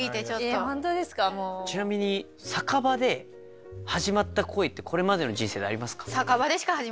ちなみに酒場で始まった恋ってこれまでの人生でありますか？